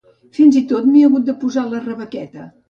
Fins i tot m'he hagut de posar la rebequeta